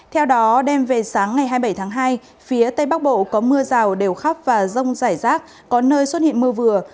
theo đó đêm về sáng ngày hai mươi bảy tháng hai phía tây bắc bộ có mưa rào đều khắp và rông rải rác có nơi xuất hiện mưa vừa